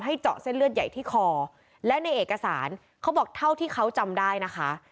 เจาะเส้นเลือดใหญ่ที่คอและในเอกสารเขาบอกเท่าที่เขาจำได้นะคะ